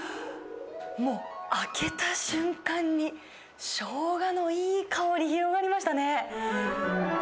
もう開けた瞬間にしょうがのいい香り、広がりましたね。